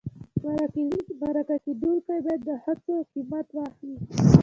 مرکه کېدونکی باید د هڅو قیمت واخلي.